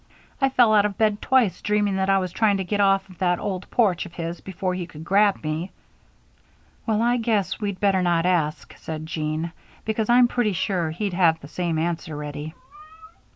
I fell out of bed twice, dreaming that I was trying to get off of that old porch of his before he could grab me." "Well, I guess we'd better not ask," said Jean, "because I'm pretty sure he'd have the same answer ready."